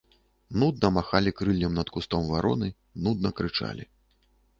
Нудна махалі крыллем над кустом вароны, нудна крычалі.